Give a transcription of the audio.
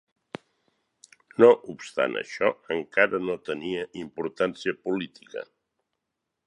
No obstant això, encara no tenia importància política.